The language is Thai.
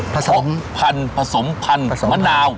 ผสมผสมผันมะนาว